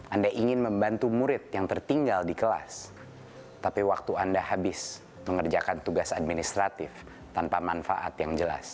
anda ingin membantu murid yang tertinggal di kelas tapi waktu anda habis mengerjakan tugas administratif tanpa manfaat yang jelas